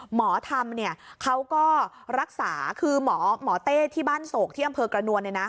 หมอทำเนี่ยเขาก็รักษาคือหมอเต้ที่บ้านโศกที่อำเภอกรณวณเนี่ยนะ